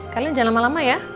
kalian jangan lama lama ya